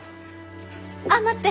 あっ待って！